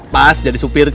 pas jadi supir kak